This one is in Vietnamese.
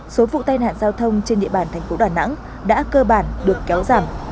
số vụ tai nạn giao thông trên địa bàn thành phố đà nẵng đã cơ bản được kéo giảm